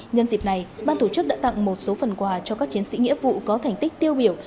nhân dịp này ban tổ chức đã tặng một số phần quà cho các chiến sĩ nghĩa vụ có thành tích tiêu biểu